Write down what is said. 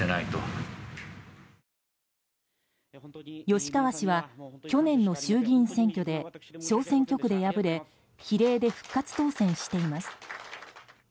吉川氏は去年の衆議院選挙で小選挙区で敗れ比例で復活当選しています。